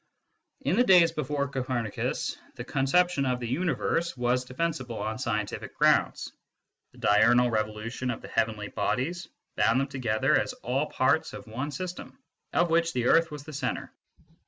In the days before Copernicus, the conception of the " universe " was defensible on scientific grounds : the diurnal revolution of the heavenly bodies bound them together as all parts of one system, of which the earth was the centre.